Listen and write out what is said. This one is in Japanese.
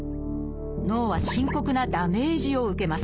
脳は深刻なダメージを受けます。